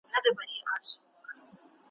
کوي او سوکاله وي `